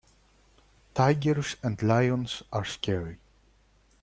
Tigers and lions are scary.